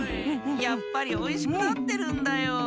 やっぱりおいしくなってるんだよ。